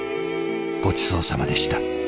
ごちそうさまでした。